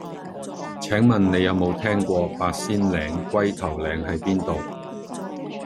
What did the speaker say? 請問你有無聽過八仙嶺龜頭嶺喺邊度